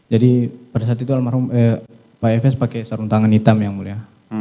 jadi pada saat itu pak efes pakai sarung tangan hitam yang mulia